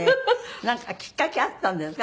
なんかきっかけあったんですか？